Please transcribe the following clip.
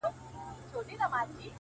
زما ياران اوس په دې شكل سـوله;